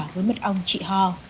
với mật ong trị hò